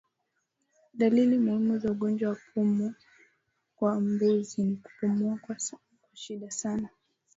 Dalili muhimu za ugonjwa wa pumu kwa mbuzi ni kupumua kwa shida sana